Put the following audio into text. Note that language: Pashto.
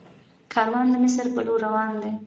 کاروان د مصر په لور روان وي.